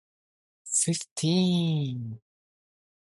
Both boats were then chased away from the scene by Austrian escort vessels.